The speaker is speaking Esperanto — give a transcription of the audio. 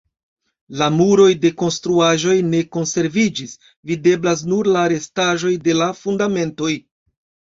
La muroj de konstruaĵoj ne konserviĝis; videblas nur la restaĵoj de la fundamentoj.